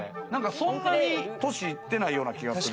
そんなに年いってないような気がする。